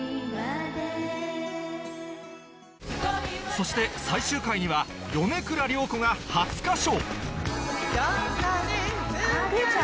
そして最終回には米倉涼子が初歌唱